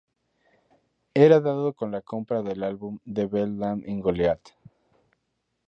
Era dado con la compra del álbum The Bedlam in Goliath.